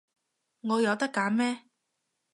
我有得揀咩？